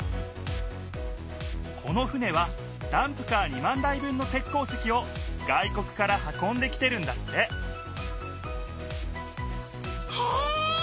この船はダンプカー２万台分の鉄鉱石を外国から運んできてるんだってへえ！